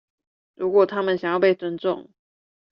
如果他們想要被尊重